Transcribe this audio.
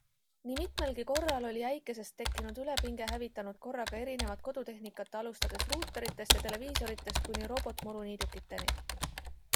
Nii mitmelgi korral oli äikesest tekkinud ülepinge hävitanud korraga erinevat kodutehnikat alustades ruuteritest ja televiisoritest kuni robotmuruniidukiteni.